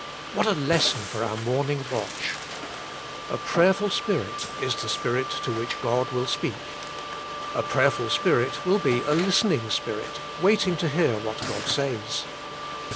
What a lesson for our morning watch, JL. prayerful spirit is the spirit to which, God. will speak. A prayerful spirit will be a listening spirit waiting to hear what God says.